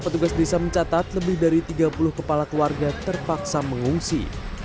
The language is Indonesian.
petugas desa mencatat lebih dari tiga puluh kepala keluarga terpaksa mengungsi